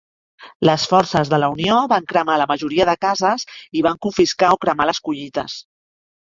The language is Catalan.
Les forces de la Unió van cremar la majoria de cases i van confiscar o cremar les collites.